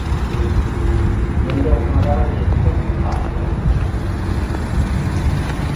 Men de hade angripit också tallen.